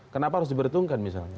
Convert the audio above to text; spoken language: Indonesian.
kenapa harus diberitungkan misalnya